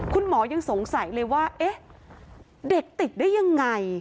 คุณหมอยังสงสัยเลยว่าเอ๊ะเด็กติดได้ยังไง